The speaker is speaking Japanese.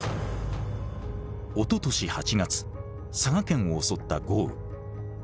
おととし８月佐賀県を襲った豪雨。